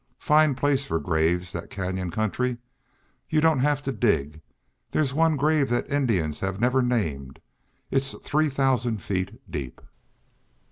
Fine place for graves, the canyon country. You don't have to dig. There's one grave the Indians never named; it's three thousand feet deep."